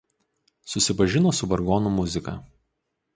Susipažino su vargonų muzika.